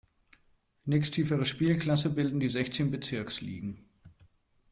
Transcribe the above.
Nächsttiefere Spielklasse bilden die sechzehn Bezirksligen.